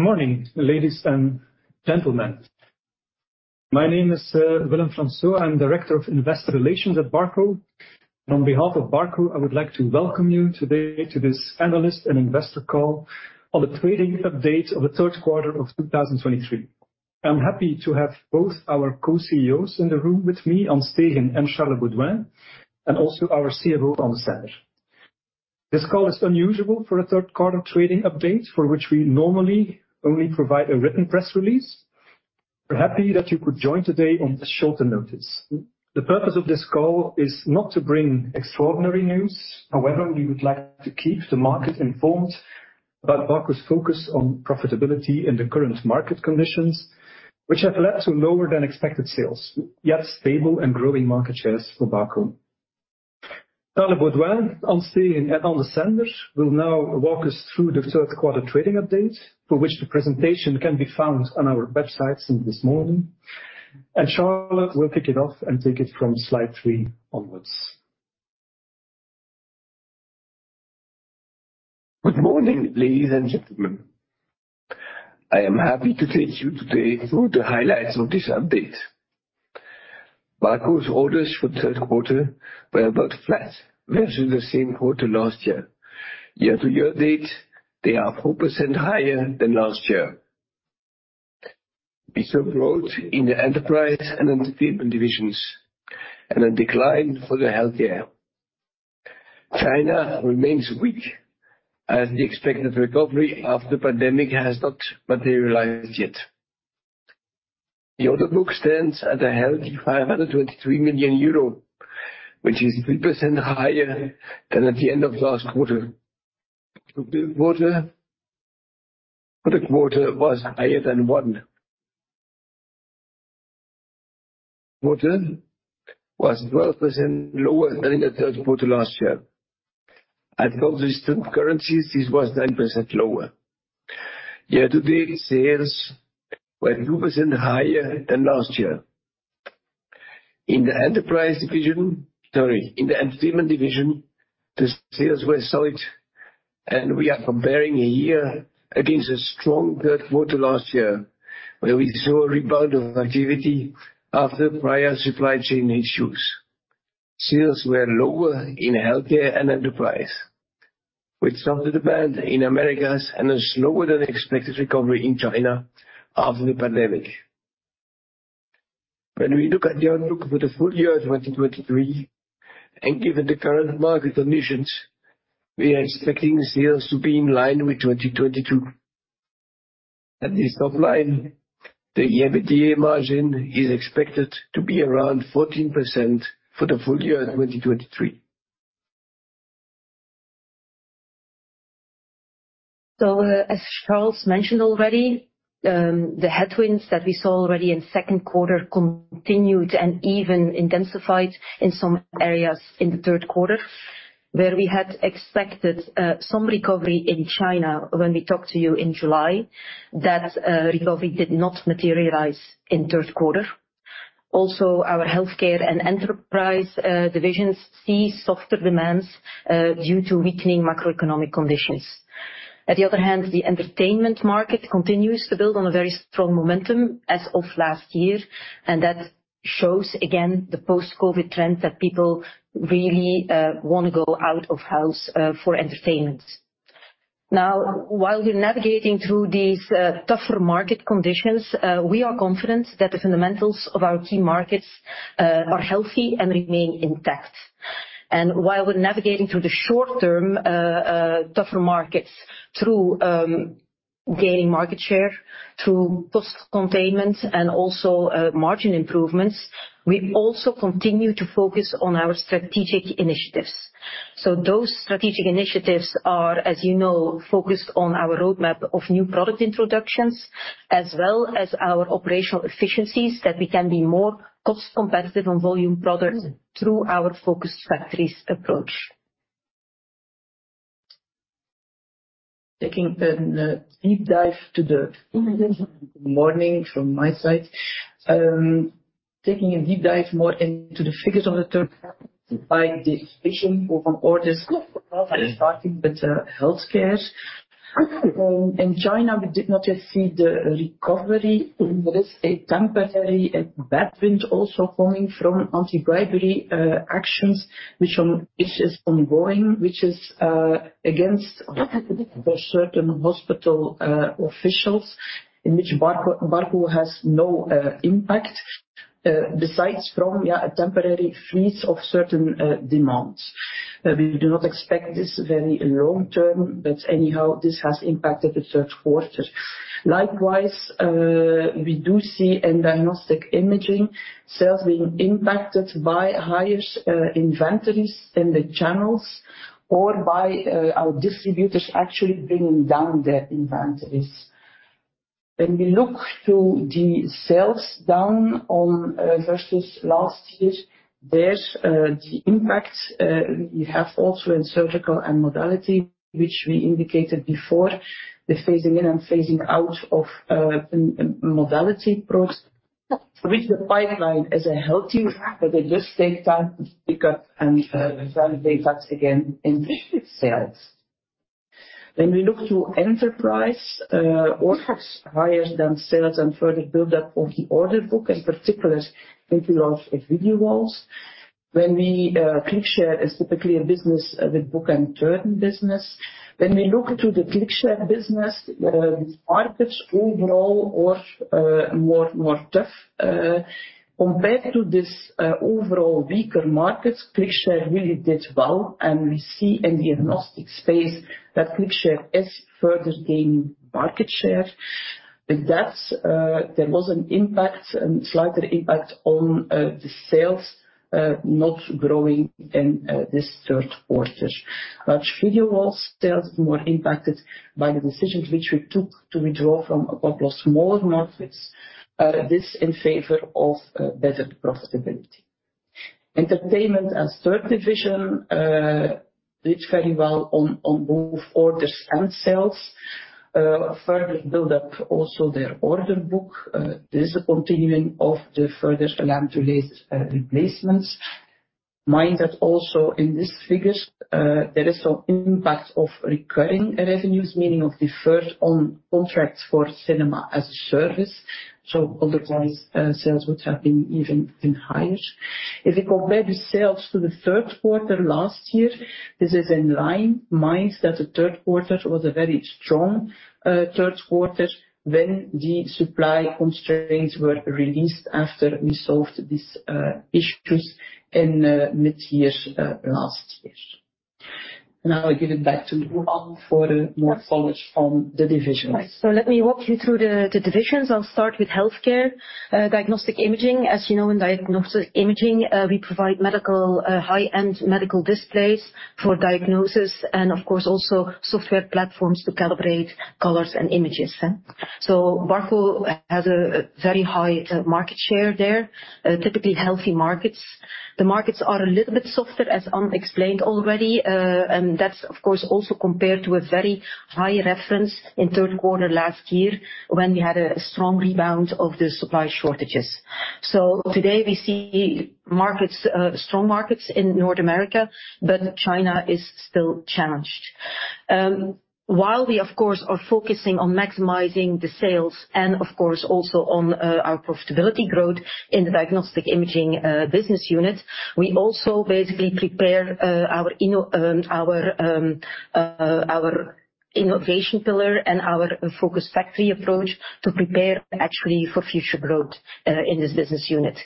Good morning, ladies and gentlemen. My name is Willem Fransoo. I'm Director of Investor Relations at Barco. On behalf of Barco, I would like to welcome you today to this analyst and investor call on the trading update of the third quarter of 2023. I'm happy to have both our Co-CEOs in the room with me, An Steegen and Charles Beauduin, and also our CFO, Ann Desender. This call is unusual for a third quarter trading update, for which we normally only provide a written press release. We're happy that you could join today on shorter notice. The purpose of this call is not to bring extraordinary news. However, we would like to keep the market informed about Barco's focus on profitability in the current market conditions, which have led to lower than expected sales, yet stable and growing market shares for Barco. Charles Beauduin, An Steegen, and Ann Desender will now walk us through the third quarter trading update, for which the presentation can be found on our website since this morning. Charles will kick it off and take it from slide three onwards. Good morning, ladies and gentlemen. I am happy to take you today through the highlights of this update. Barco's orders for the third quarter were about flat versus the same quarter last year. Year-to-date, they are 4% higher than last year. We saw growth in the enterprise and entertainment divisions, and a decline for the healthcare. China remains weak as the expected recovery after pandemic has not materialized yet. The order book stands at a healthy 523 million euro, which is 3% higher than at the end of last quarter. Sales for the quarter were higher than Q1. Sales were 12% lower than the third quarter last year. At constant currencies, this was 9% lower. Year-to-date, sales were 2% higher than last year. In the enterprise division, sorry, in the entertainment division, the sales were solid, and we are comparing a year against a strong third quarter last year, where we saw a rebound of activity after prior supply chain issues. Sales were lower in healthcare and enterprise, with softer demand in Americas and a slower than expected recovery in China after the pandemic. When we look at the outlook for the full year 2023, and given the current market conditions, we are expecting sales to be in line with 2022. At this top-line, the EBITDA margin is expected to be around 14% for the full year 2023. So, as Charles mentioned already, the headwinds that we saw already in second quarter continued and even intensified in some areas in the third quarter, where we had expected some recovery in China when we talked to you in July, that recovery did not materialize in third quarter. Also, our healthcare and enterprise divisions see softer demands due to weakening macroeconomic conditions. At the other hand, the entertainment market continues to build on a very strong momentum as of last year, and that shows again the post-Covid trend that people really want to go out of house for entertainment. Now, while we're navigating through these tougher market conditions, we are confident that the fundamentals of our key markets are healthy and remain intact. While we're navigating through the short term tougher markets through gaining market share, through cost containment and also margin improvements, we also continue to focus on our strategic initiatives. Those strategic initiatives are, as you know, focused on our roadmap of new product introductions, as well as our operational efficiencies, that we can be more cost competitive on volume products through our focused factories approach. Taking a deep dive. Good morning from my side. Taking a deep dive more into the figures of the third quarter by the division of orders, starting with healthcare. In China, we did not yet see the recovery. There is a temporary backwind also coming from anti-bribery actions, which is ongoing, which is against certain hospital officials, in which Barco has no impact besides from, yeah, a temporary freeze of certain demands. We do not expect this very long term, but anyhow, this has impacted the third quarter. Likewise, we do see in diagnostic imaging, sales being impacted by higher inventories in the channels or by our distributors actually bringing down their inventories. When we look to the sales down on, versus last year, there's, the impact, we have also in surgical and modality, which we indicated before, the phasing in and phasing out of, modality products-... With the pipeline is healthy, but they just take time to pick up and validate that again in sales. When we look to enterprise, orders higher than sales and further build up on the order book, in particular, think of video walls. When we, ClickShare is typically a business with book and turn business. When we look to the ClickShare business, markets overall was more tough. Compared to this overall weaker markets, ClickShare really did well, and we see in the agnostic space that ClickShare is further gaining market share. But that's, there was an impact, and slight impact on the sales not growing in this third quarter. Large video walls still more impacted by the decisions which we took to withdraw from a couple of smaller markets, this in favor of better profitability. Entertainment as third division did very well on both orders and sales. Further build up also their order book. This is a continuing of the further Lamp-to-Laser replacements. Mind that also in these figures, there is no impact of recurring revenues, meaning of deferred on contracts for cinema as a service, so otherwise sales would have been even higher. If you compare the sales to the third quarter last year, this is in line. Mind that the third quarter was a very strong third quarter when the supply constraints were released after we solved these issues in mid-year last year. Now I give it back to An for more comments from the divisions. Right. So let me walk you through the divisions. I'll start with healthcare. Diagnostic imaging. As you know, in diagnostic imaging, we provide medical, high-end medical displays for diagnosis and, of course, also software platforms to calibrate colors and images. So Barco has a very high market share there, typically healthy markets. The markets are a little bit softer, as Ann explained already, and that's of course, also compared to a very high reference in third quarter last year when we had a strong rebound of the supply shortages. So today we see markets, strong markets in North America, but China is still challenged. While we, of course, are focusing on maximizing the sales and of course, also on our profitability growth in the diagnostic imaging business unit, we also basically prepare our innovation pillar and our focus factory approach to prepare actually for future growth in this business unit.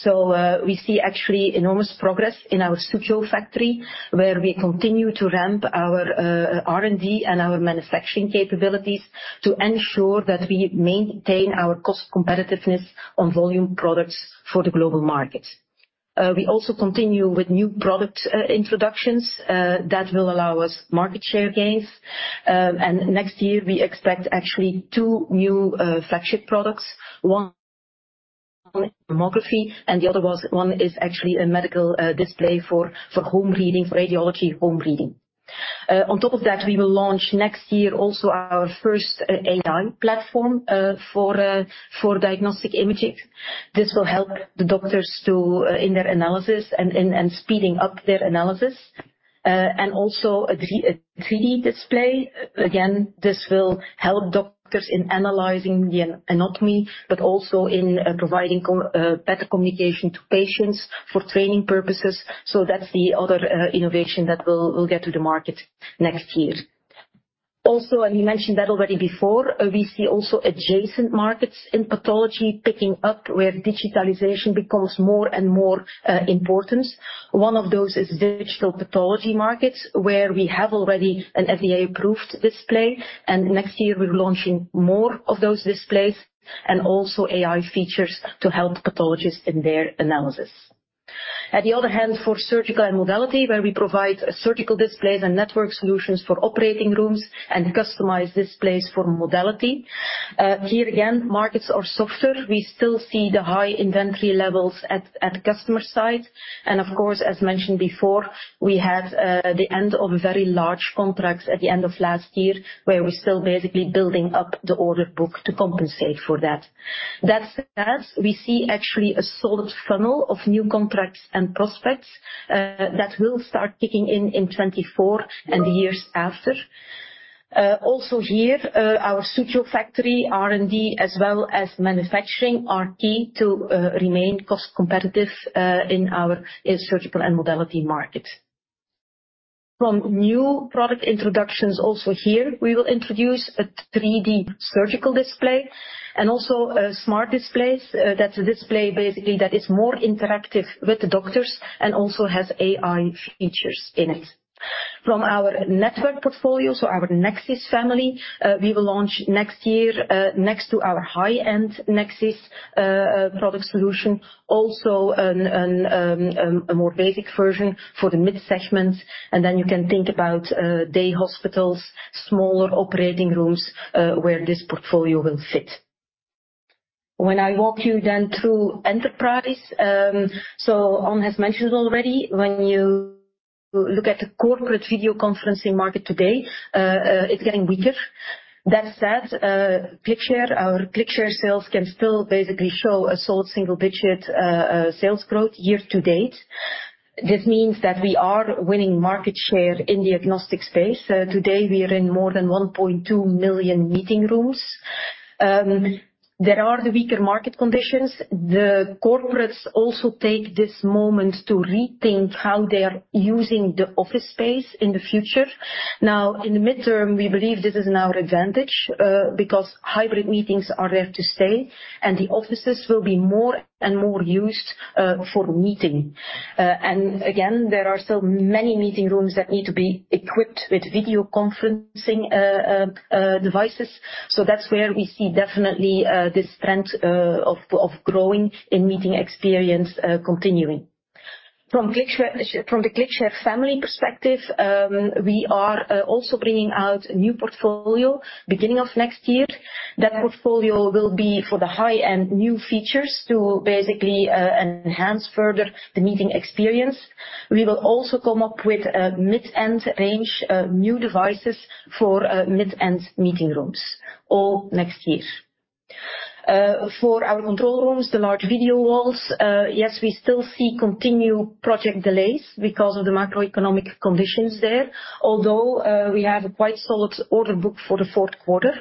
So, we see actually enormous progress in our studio factory, where we continue to ramp our R&D and our manufacturing capabilities to ensure that we maintain our cost competitiveness on volume products for the global market. We also continue with new product introductions that will allow us market share gains. And next year we expect actually two new flagship products. One mammography, and the other one is actually a medical display for home reading, for radiology home reading. On top of that, we will launch next year also our first AI platform for diagnostic imaging. This will help the doctors in their analysis and in speeding up their analysis. And also a 3D display. Again, this will help doctors in analyzing the anatomy, but also in providing better communication to patients for training purposes. So that's the other innovation that will get to the market next year. Also, and we mentioned that already before, we see also adjacent markets in pathology picking up, where digitalization becomes more and more important. One of those is digital pathology markets, where we have already an FDA-approved display, and next year we're launching more of those displays and also AI features to help pathologists in their analysis. On the other hand, for surgical and modality, where we provide surgical displays and network solutions for operating rooms and customize displays for modality. Here again, markets are softer. We still see the high inventory levels at customer site. And of course, as mentioned before, we had the end of a very large contract at the end of last year, where we're still basically building up the order book to compensate for that. That said, we see actually a solid funnel of new contracts and prospects that will start kicking in in 2024 and the years after. Also here, our studio factory, R&D, as well as manufacturing, are key to remain cost competitive in our surgical and modality market. From new product introductions also here, we will introduce a 3D surgical display and also smart displays. That's a display, basically, that is more interactive with the doctors and also has AI features in it. From our network portfolio, so our Nexxis family, we will launch next year, next to our high-end Nexxis product solution, also, a more basic version for the mid-segments. And then you can think about day hospitals, smaller operating rooms, where this portfolio will fit. When I walk you then through enterprise, so Ann has mentioned already. You look at the corporate video conferencing market today, it's getting weaker. That said, ClickShare, our ClickShare sales can still basically show a solid single-digit sales growth year to date. This means that we are winning market share in the agnostic space. Today, we are in more than 1.2 million meeting rooms. There are the weaker market conditions. The corporates also take this moment to rethink how they are using the office space in the future. Now, in the midterm, we believe this is in our advantage because hybrid meetings are there to stay, and the offices will be more and more used for meeting. And again, there are still many meeting rooms that need to be equipped with video conferencing devices. So that's where we see definitely this trend of growing in meeting experience continuing. From the ClickShare family perspective, we are also bringing out a new portfolio beginning of next year. That portfolio will be for the high-end new features to basically enhance further the meeting experience. We will also come up with a mid-end range, new devices for mid-end meeting rooms, all next year. For our control rooms, the large video walls, yes, we still see continued project delays because of the macroeconomic conditions there, although we have a quite solid order book for the fourth quarter.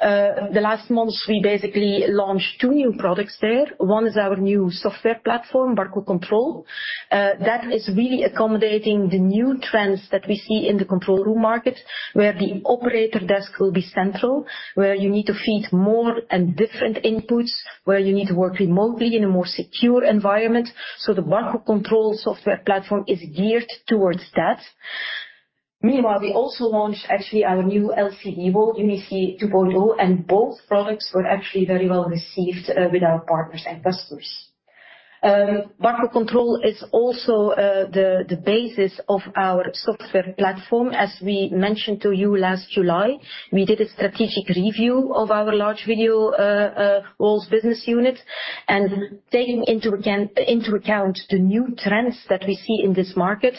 The last months, we basically launched two new products there. One is our new software platform, Barco CTRL. That is really accommodating the new trends that we see in the control room market, where the operator desk will be central, where you need to feed more and different inputs, where you need to work remotely in a more secure environment. So the Barco CTRL software platform is geared towards that. Meanwhile, we also launched actually our new LCD Wall, UniSee II, and both products were actually very well received with our partners and customers. Barco CTRL is also the basis of our software platform. As we mentioned to you last July, we did a strategic review of our large video walls business unit. And taking into account the new trends that we see in this market,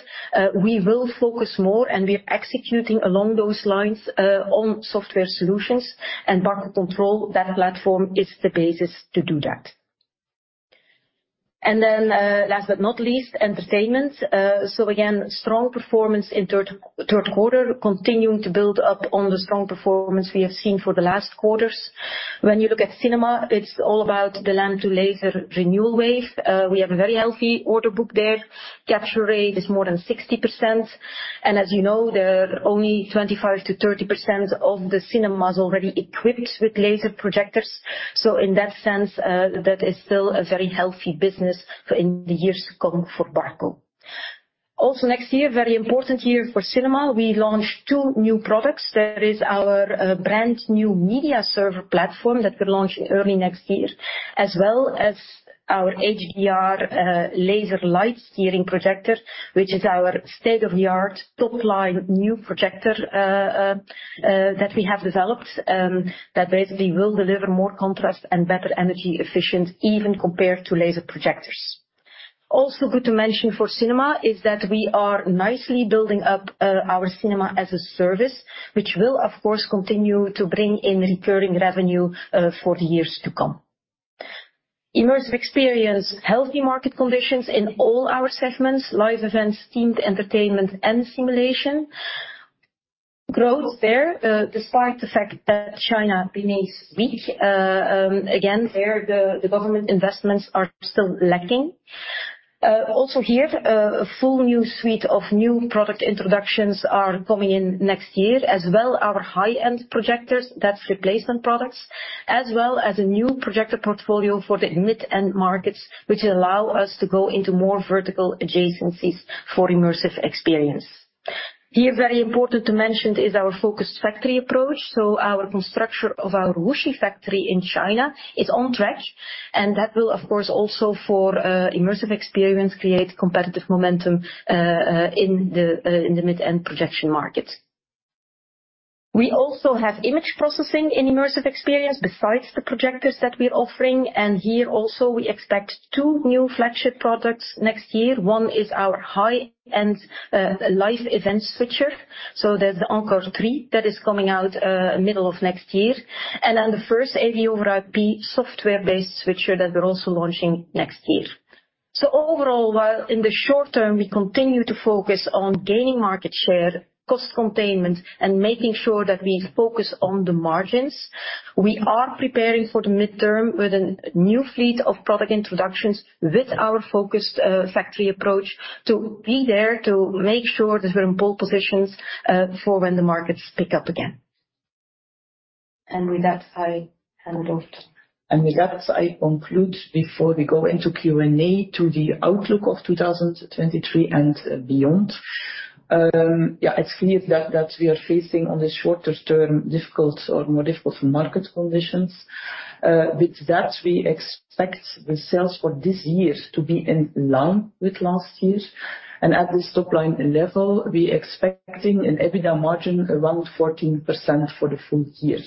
we will focus more, and we are executing along those lines, on software solutions. And Barco CTRL, that platform, is the basis to do that. And then, last but not least, entertainment. So again, strong performance in third quarter, continuing to build up on the strong performance we have seen for the last quarters. When you look at cinema, it's all about the Lamp-to-Laser renewal wave. We have a very healthy order book there. Capture rate is more than 60%, and as you know, there are only 25%-30% of the cinemas already equipped with laser projectors. So in that sense, that is still a very healthy business for in the years to come for Barco. Also, next year, very important year for cinema, we launch two new products. There is our, brand new media server platform that we're launching early next year, as well as our HDR, laser light steering projector, which is our state-of-the-art, top-line, new projector, that we have developed, that basically will deliver more contrast and better energy efficient, even compared to laser projectors. Also good to mention for cinema is that we are nicely building up our Cinema-as-a-Service, which will, of course, continue to bring in recurring revenue for the years to come. Immersive experience, healthy market conditions in all our segments, live events, themed entertainment and simulation. Growth there, despite the fact that China remains weak, again, there, the government investments are still lacking. Also here, a full new suite of new product introductions are coming in next year, as well our high-end projectors, that's replacement products, as well as a new projector portfolio for the mid-end markets, which allow us to go into more vertical adjacencies for immersive experience. Here, very important to mention, is our focused factory approach. So our construction of our Wuxi factory in China is on track, and that will, of course, also for immersive experience, create competitive momentum in the in the mid-end projection market. We also have image processing in immersive experience besides the projectors that we're offering, and here also, we expect two new flagship products next year. One is our high-end live event switcher, so there's the Encore3 that is coming out middle of next year. And then the first AV over IP software-based switcher that we're also launching next year. Overall, while in the short term, we continue to focus on gaining market share, cost containment, and making sure that we focus on the margins, we are preparing for the midterm with a new fleet of product introductions with our focused factory approach, to be there to make sure that we're in pole positions for when the markets pick up again. With that, I hand it off. With that, I conclude before we go into Q&A, to the outlook of 2023 and, beyond. Yeah, it's clear that we are facing, on the shorter term, difficult or more difficult market conditions. With that, we expect the sales for this year to be in line with last year. At this top-line level, we're expecting an EBITDA margin around 14% for the full year.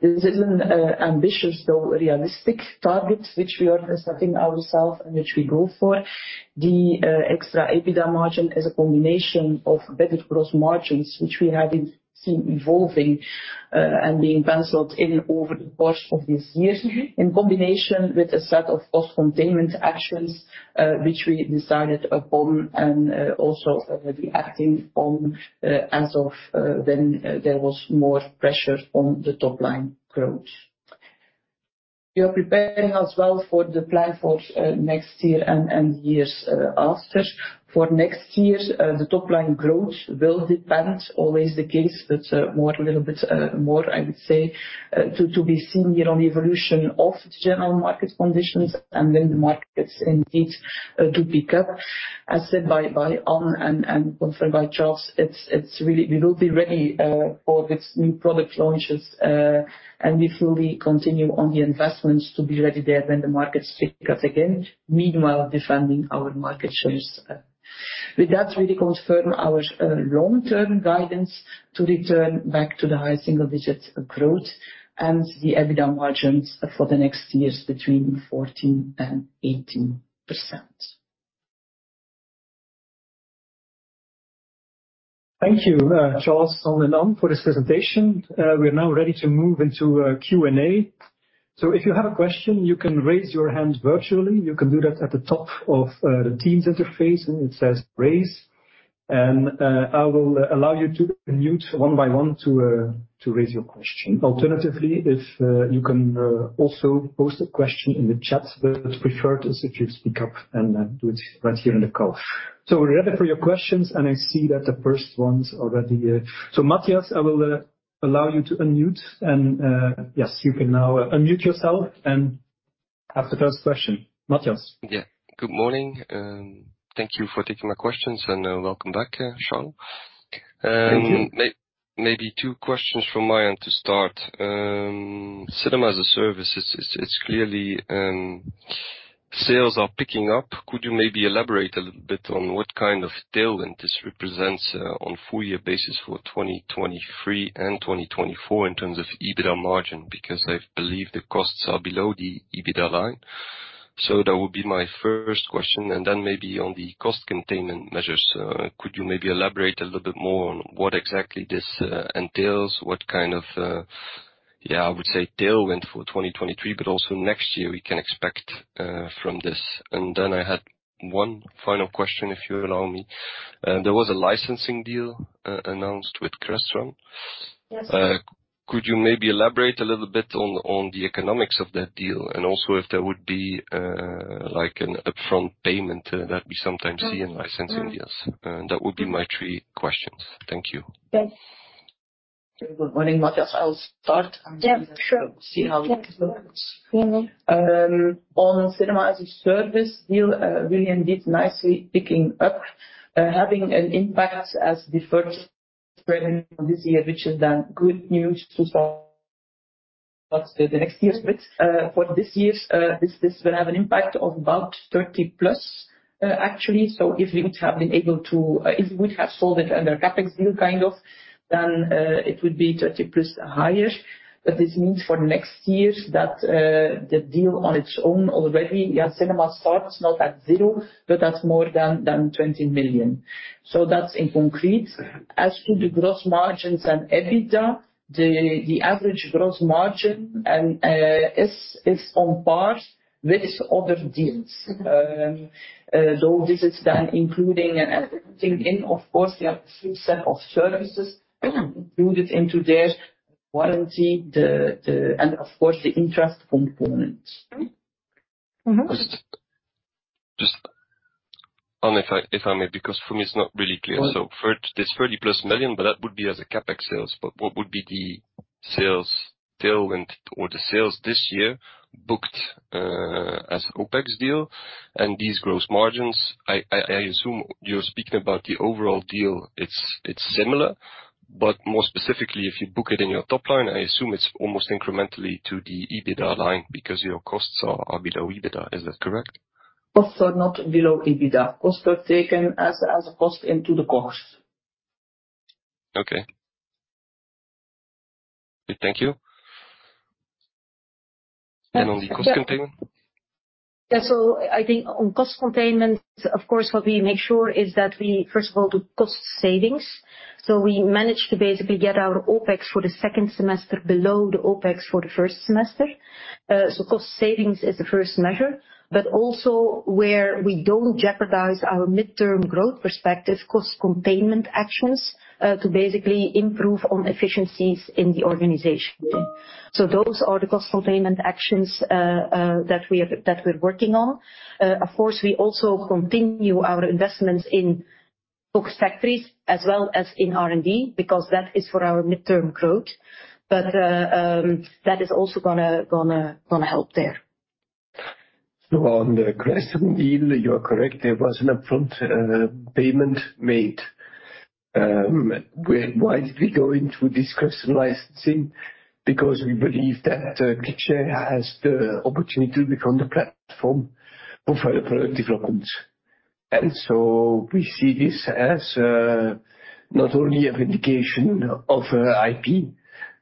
This is an, ambitious, though realistic target, which we are setting ourselves and which we go for. The extra EBITDA margin is a combination of better gross margins, which we have been seen evolving, and being penciled in over the course of this year, in combination with a set of cost containment actions, which we decided upon and also will be acting on, as of when there was more pressure on the top-line growth. We are preparing as well for the plan for next year and years after. For next year, the top-line growth will depend, always the case, but more, a little bit more, I would say, to be seen on the evolution of the general market conditions, and when the markets indeed do pick up. As said by Ann, and confirmed by Charles, it's really we will be ready for this new product launches, and we fully continue on the investments to be ready there when the markets pick up again. Meanwhile, defending our market shares. With that, we confirm our long-term guidance to return back to the high single digits growth and the EBITDA margins for the next years between 14% and 18%. Thank you, Charles, Ann, and An, for this presentation. We're now ready to move into Q&A. So if you have a question, you can raise your hand virtually. You can do that at the top of the Teams interface, and it says, "Raise." And I will allow you to unmute one by one to raise your question. Alternatively, if you can, also post a question in the chat, but preferred is if you speak up and then do it right here in the call. So we're ready for your questions, and I see that the first one's already... So, Matthias, I will allow you to unmute, and yes, you can now unmute yourself and have the first question. Matthias? Yeah. Good morning, and thank you for taking my questions, and, welcome back, Charles. Thank you. Maybe two questions from my end to start. Cinema-as-a-Service, it's clearly sales are picking up. Could you maybe elaborate a little bit on what kind of tailwind this represents on full year basis for 2023 and 2024 in terms of EBITDA margin? Because I believe the costs are below the EBITDA line. So that would be my first question. And then maybe on the cost containment measures, could you maybe elaborate a little bit more on what exactly this entails? What kind of, yeah, I would say, tailwind for 2023, but also next year, we can expect from this. And then I had one final question, if you allow me. There was a licensing deal announced with Crestron. Yes. Could you maybe elaborate a little bit on the economics of that deal, and also if there would be, like, an upfront payment that we sometimes see in licensing deals? That would be my three questions. Thank you. Yes. Good morning, Matthias. I'll start. Yeah, sure. See how it works. Mm-hmm. On Cinema-as-a-Service deal, really indeed nicely picking up, having an impact as the first spread this year, which is then good news to start the next year. But, for this year, this will have an impact of about 30+ million, actually. So if we would have been able to, if we would have sold it under CapEx deal, kind of, then, it would be 30+ million higher. But this means for next year, that, the deal on its own already, yeah, Cinema-as-a-Service starts not at zero, but that's more than 20 million. So that's in concrete. As to the gross margins and EBITDA, the average gross margin and is on par with other deals. So this is done, including and in, of course, we have a few set of services included into their warranty, and of course, the interest component. Just, Ann, if I, if I may, because for me, it's not really clear. Right. So for this 30+ million, but that would be as a CapEx sales, but what would be the sales tailwind or the sales this year booked as OpEx deal and these gross margins? I assume you're speaking about the overall deal. It's similar, but more specifically, if you book it in your top-line, I assume it's almost incrementally to the EBITDA line because your costs are below EBITDA. Is that correct? Costs are not below EBITDA. Costs are taken as a cost into the costs. Okay. Thank you. And on the cost containment? Yeah. So I think on cost containment, of course, what we make sure is that we, first of all, do cost savings. So we managed to basically get our OpEx for the second semester below the OpEx for the first semester. So cost savings is the first measure, but also where we don't jeopardize our midterm growth perspective, cost containment actions to basically improve on efficiencies in the organization. So those are the cost containment actions that we're working on. Of course, we also continue our investments in box factories as well as in R&D, because that is for our midterm growth. But that is also gonna help there. So on the Crestron deal, you are correct, there was an upfront payment made. Why did we go into this Crestron licensing? Because we believe that picture has the opportunity to become the platform for further development.... And so we see this as not only a vindication of IP,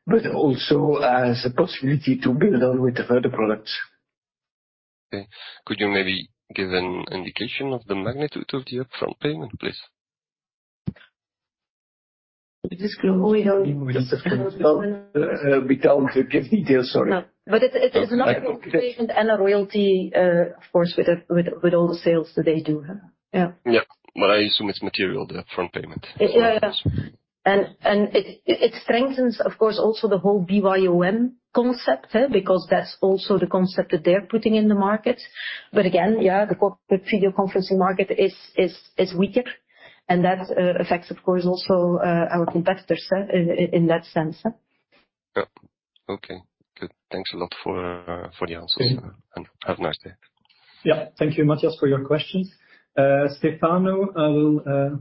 but also as a possibility to build on with other products. Okay. Could you maybe give an indication of the magnitude of the upfront payment, please? This is globally, we don't, we can't give details, sorry. No, but it, it is another payment and a royalty, of course, with all the sales that they do. Yeah. Yeah. But I assume it's material, the upfront payment? Yeah. Yeah. And it strengthens, of course, also the whole BYOM concept, eh? Because that's also the concept that they're putting in the market. But again, yeah, the video conferencing market is weaker, and that affects, of course, also our competitors in that sense. Yeah. Okay, good. Thanks a lot for the answers. Mm-hmm. Have a nice day. Yeah. Thank you, Matthias, for your questions. Stefano, I will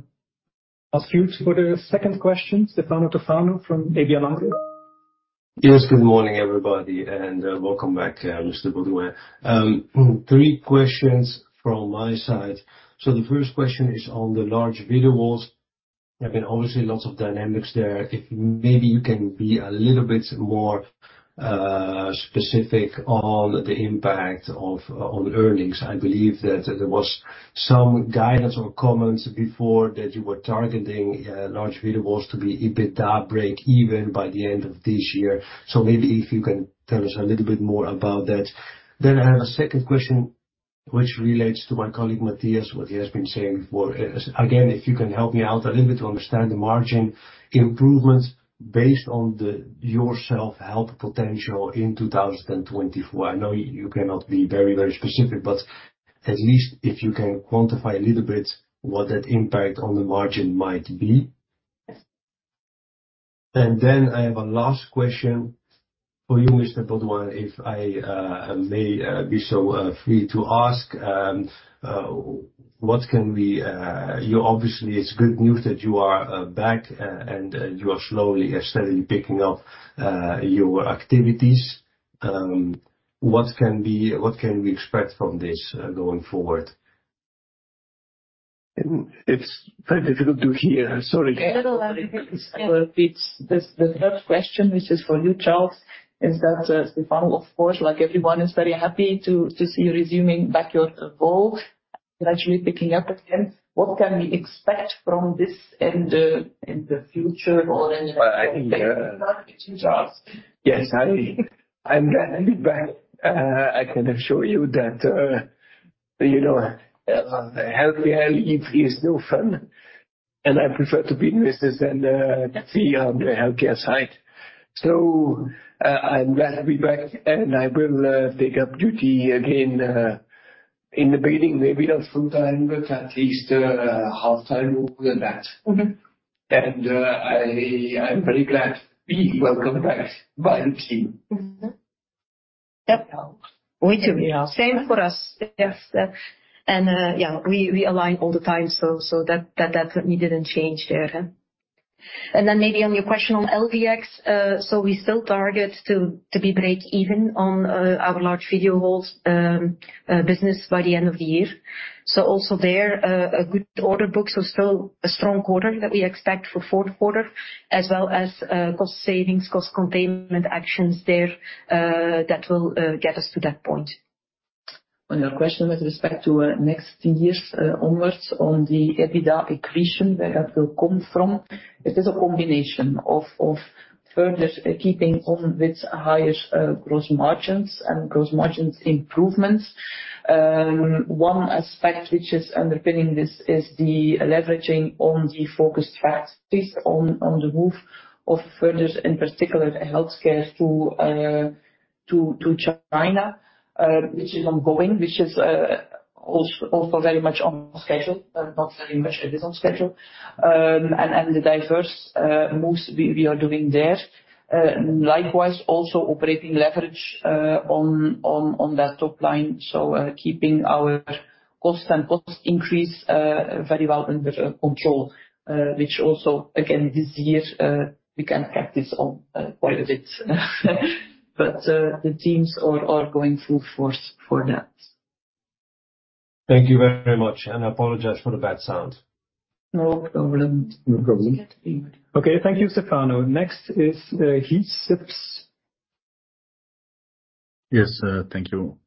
ask you for the second question. Stefano Toffano from UBS. Yes, good morning, everybody, and welcome back, Mr. Beauduin. Three questions from my side. So the first question is on the large video walls. There have been obviously lots of dynamics there. If maybe you can be a little bit more specific on the impact on earnings. I believe that there was some guidance or comments before that you were targeting large video walls to be EBITDA break-even by the end of this year. So maybe if you can tell us a little bit more about that. Then I have a second question, which relates to my colleague, Matthias, what he has been saying for... Again, if you can help me out a little bit to understand the margin improvements based on the self-help potential in 2024. I know you cannot be very, very specific, but at least if you can quantify a little bit what that impact on the margin might be. And then I have a last question for you, Mr. Beauduin, if I may be so free to ask, what can we... Obviously, it's good news that you are back and you are slowly and steadily picking up your activities. What can we, what can we expect from this going forward? It's very difficult to hear. Sorry. I will repeat. The third question, which is for you, Charles, is that Stefano, of course, like everyone, is very happy to see you resuming back your role, gradually picking up again. What can we expect from this in the future? Or in the- Yes, I'm glad to be back. I can assure you that, you know, healthcare leave is no fun, and I prefer to be in business than be on the healthcare side. So, I'm glad to be back, and I will take up duty again in the beginning, maybe not full time, but at least half time or than that. Mm-hmm. I'm very glad to be welcomed back by the team. Mm-hmm. Yep. We too. Yeah. Same for us. Yes. And, yeah, we, we align all the time, so, so that, that definitely didn't change there, huh? And then maybe on your question on LDX, so we still target to, to be break even on, our large video walls, business by the end of the year. So also there, a good order book, so still a strong quarter that we expect for fourth quarter, as well as, cost savings, cost containment actions there, that will, get us to that point. On your question with respect to, next years, onwards on the EBITDA accretion, where that will come from, it is a combination of, of further keeping on with higher, gross margins and gross margins improvements. One aspect which is underpinning this is the leveraging on the focused strategies on the move to Wuxi, in particular, healthcare to China, which is ongoing, which is also very much on schedule. And the diverse moves we are doing there. Likewise, also operating leverage on that top-line. So, keeping our costs and cost increase very well under control, which also, again, this year, we can keep this on quite a bit. But the teams are going full force for that. Thank you very much, and I apologize for the bad sound. No problem. No problem. Okay. Thank you, Stefano. Next is, Guy Sips. Yes, thank you.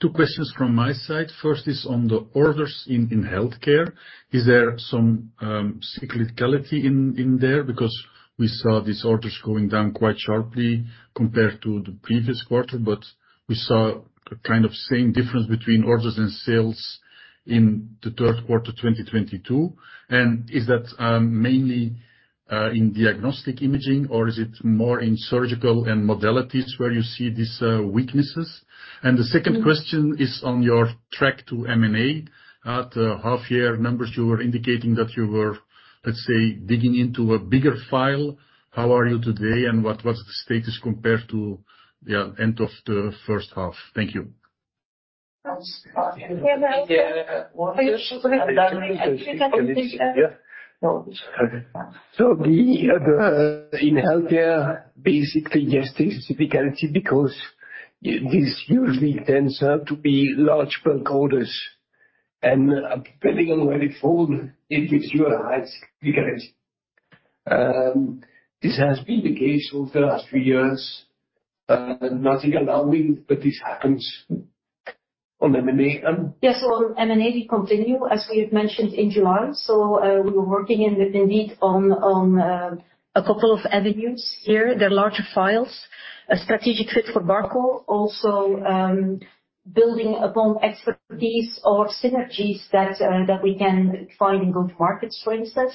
Two questions from my side. First is on the orders in healthcare. Is there some cyclicality in there? Because we saw these orders going down quite sharply compared to the previous quarter, but we saw a kind of same difference between orders and sales in the third quarter, 2022. And is that mainly in diagnostic imaging, or is it more in surgical and modalities where you see these weaknesses? And the second question is on your track to M&A. At the half year numbers, you were indicating that you were, let's say, digging into a bigger file. How are you today, and what was the status compared to yeah end of the first half? Thank you. So the, in healthcare, basically, yes, there's cyclicality because... Yeah, this usually tends out to be large bulk orders, and, depending on where they fall, it gives you a high staircase. This has been the case over the last three years, nothing allowing, but this happens on M&A? Yes, well, on M&A, we continue, as we have mentioned in July. We were working in with Indeed on a couple of avenues here. They're larger files, a strategic fit for Barco. Also, building upon expertise or synergies that we can find in good markets, for instance.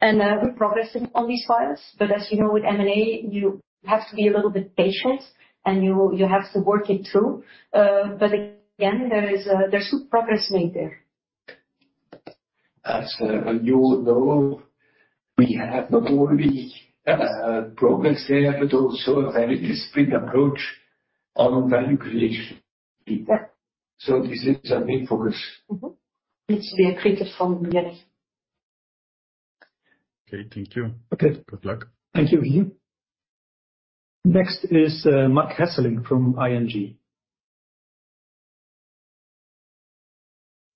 And we're progressing on these files, but as you know, with M&A, you have to be a little bit patient, and you have to work it through. But again, there's good progress made there. As you know, we have not only progress there, but also a very disciplined approach on value creation. Yeah. So this is a main focus. Mm-hmm. It's being created from, yes. Okay, thank you. Okay. Good luck. Thank you, Ian. Next is Marc Hesselink from ING.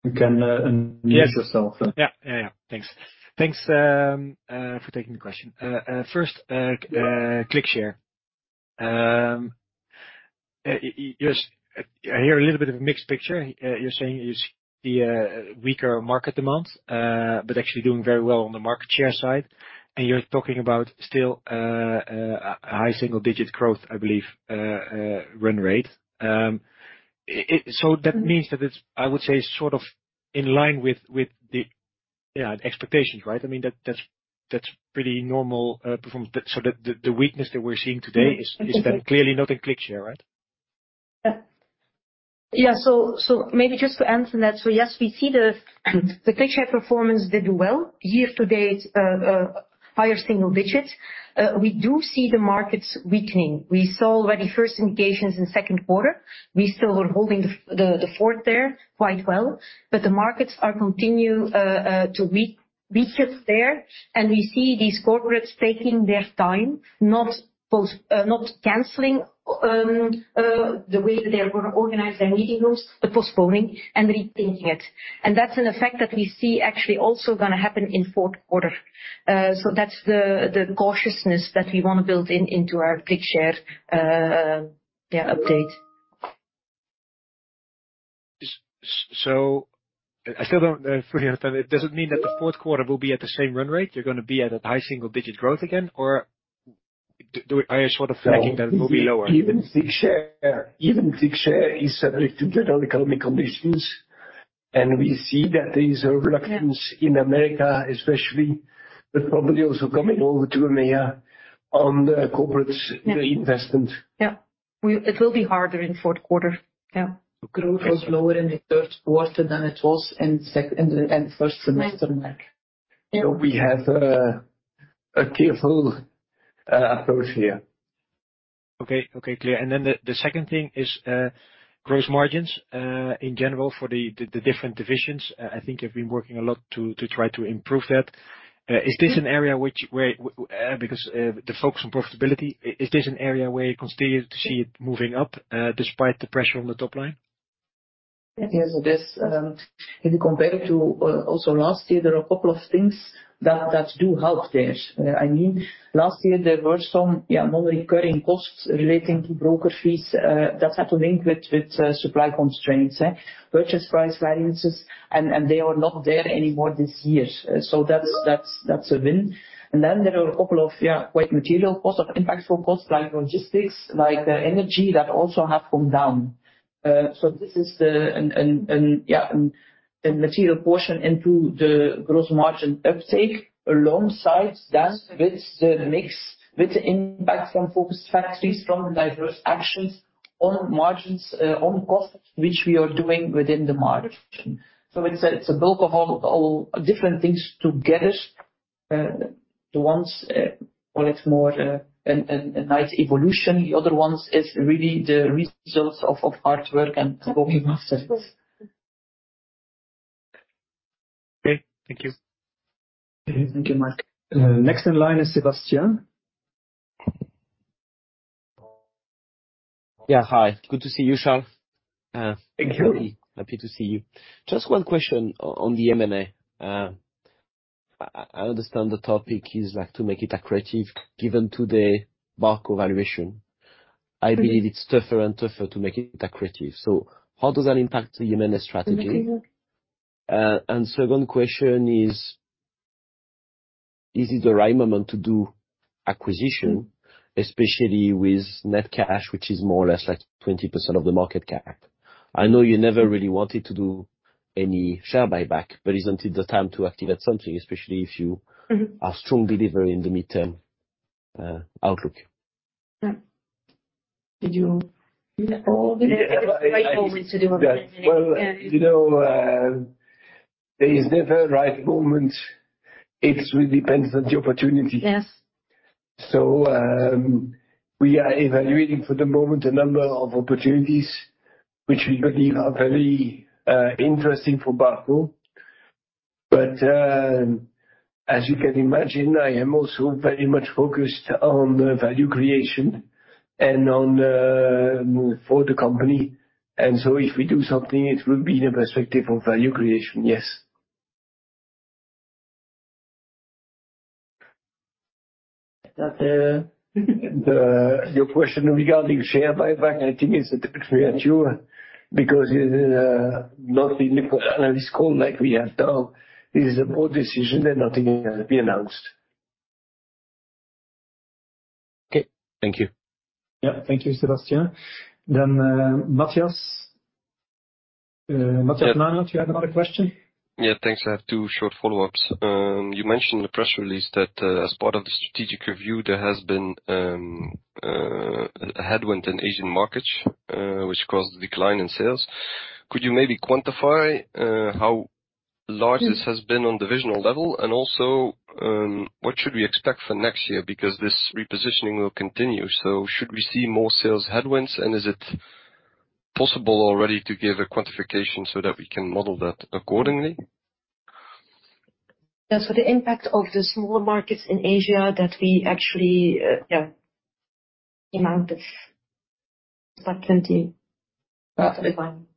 You can unmute yourself. Yeah. Yeah, yeah. Thanks. Thanks for taking the question. First, ClickShare. You I hear a little bit of a mixed picture. You're saying is the weaker market demand, but actually doing very well on the market share side, and you're talking about still high single digit growth, I believe, run rate. It so that means that it's, I would say, sort of in line with the yeah the expectations, right? I mean, that that's pretty normal performance. So the weakness that we're seeing today is then clearly not in ClickShare, right? Yeah. So, maybe just to answer that. So yes, we see the ClickShare performance did well. Year to date, higher single digits. We do see the markets weakening. We saw already first indications in second quarter. We still are holding the fort there quite well, but the markets are continuing to weaken there, and we see these corporates taking their time, not canceling the way they are gonna organize their meeting rooms, but postponing and rethinking it. And that's an effect that we see actually also gonna happen in fourth quarter. So that's the cautiousness that we want to build in into our ClickShare update. So I still don't understand. Does it mean that the fourth quarter will be at the same run rate? You're gonna be at a high single digit growth again, or are you sort of flagging that it will be lower? Even ClickShare, even ClickShare is subject to general economic conditions, and we see that there is a reluctance- Yeah... in America especially, but probably also coming over to EMEA on the corporates- Yeah - investment. Yeah. It will be harder in fourth quarter. Yeah. Growth was lower in the third quarter than it was in second, in the first semester, Mark. Yeah. So we have a careful approach here. Okay. Okay, clear. Then the second thing is gross margins in general for the different divisions. I think you've been working a lot to try to improve that. Is this an area where, because the focus on profitability, you continue to see it moving up despite the pressure on the top-line? Yes, it is. If you compare it to also last year, there are a couple of things that do help there. I mean, last year there were some, yeah, non-recurring costs relating to broker fees that had to link with supply constraints, eh? Purchase price variances, and they are not there anymore this year. So that's a win. And then there are a couple of, yeah, quite material costs or impactful costs, like logistics, like energy, that also have come down. So this is the... and, yeah, a material portion into the gross margin uptake, alongside that, with the mix, with the impact from focused factories, from diverse actions on margins, on costs, which we are doing within the margin. So it's a bulk of all different things together. Well, it's more a nice evolution, the other ones is really the results of hard work and focusing on services. Okay. Thank you. Thank you, Mark. Next in line is Sebastian. Yeah, hi. Good to see you, Charles. Thank you. Happy to see you. Just one question on the M&A. I understand the topic is like to make it accretive, given today Barco valuation. I believe it's tougher and tougher to make it accretive. So how does that impact the M&A strategy? And second question is: Is it the right moment to do acquisition, especially with net cash, which is more or less like 20% of the market cap? I know you never really wanted to do any share buyback, but isn't it the time to activate something, especially if you- Mm-hmm... have strong delivery in the midterm, outlook? Yeah. Did you? Yeah. It's the right moment to do it. Well, you know, there is never a right moment. It really depends on the opportunity. Yes. So, we are evaluating for the moment a number of opportunities, which we believe are very interesting for Barco. But, as you can imagine, I am also very much focused on the value creation and on the for the company. And so if we do something, it will be in the perspective of value creation, yes. But, your question regarding share buyback, I think it's a bit premature because it is not in the analyst call like we have now. This is a board decision, and nothing has been announced. Okay, thank you. Yeah. Thank you, Sebastian. Then, Matthias. Matthias, you had another question? Yeah. Thanks. I have two short follow-ups. You mentioned in the press release that, as part of the strategic review, there has been a headwind in Asian markets, which caused a decline in sales. Could you maybe quantify how large this has been on divisional level? And also, what should we expect for next year? Because this repositioning will continue, so should we see more sales headwinds, and is it possible already to give a quantification so that we can model that accordingly? Yeah, so the impact of the smaller markets in Asia that we actually amount to but plenty.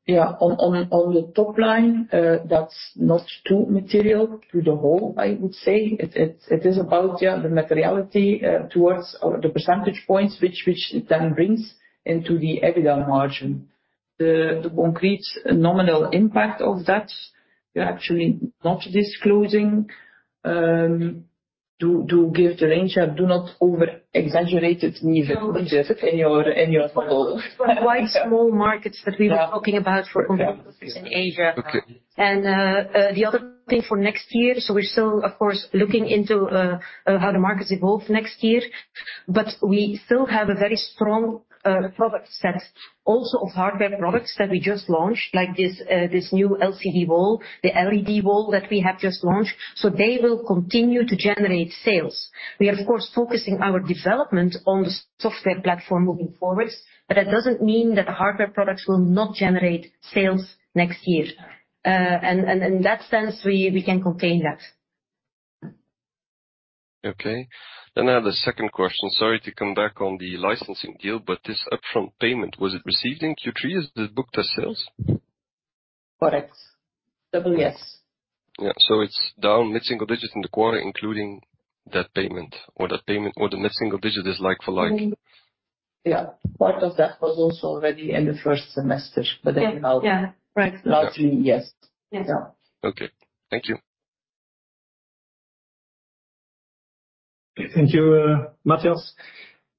Yeah, on the top-line, that's not too material to the whole, I would say. It is about, yeah, the materiality towards or the percentage points which it then brings into the EBITDA margin. The concrete nominal impact of that, we're actually not disclosing. To give the range, do not over-exaggerate it, neither, in your model. Quite small markets that we were talking about for in Asia. Okay. And, the other thing for next year, so we're still, of course, looking into how the markets evolve next year. But we still have a very strong product set, also of hardware products that we just launched, like this, this new LCD Wall, the LED Wall that we have just launched, so they will continue to generate sales. We are, of course, focusing our development on the software platform moving forward, but that doesn't mean that the hardware products will not generate sales next year. And, in that sense, we can contain that. Okay. Then I have the second question. Sorry to come back on the licensing deal, but this upfront payment, was it received in Q3? Is it booked as sales? Correct. Double yes. Yeah. So it's down mid-single digits in the quarter, including that payment, or the mid-single digit is like for like? Yeah. Part of that was also already in the first semester- Yeah. But then, largely, yes. Yes. Yeah. Okay. Thank you. Thank you, Matthias.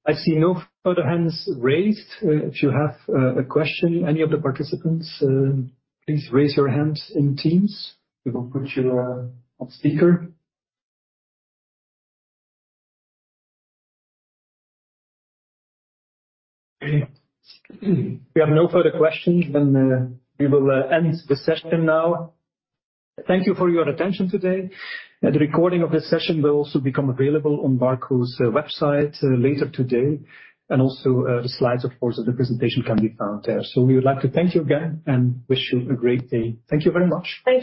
I see no further hands raised. If you have a question, any of the participants, please raise your hands in Teams. We will put you on speaker. We have no further questions, then we will end the session now. Thank you for your attention today. The recording of this session will also become available on Barco's website later today, and also the slides, of course, of the presentation can be found there. So we would like to thank you again and wish you a great day. Thank you very much. Thank you.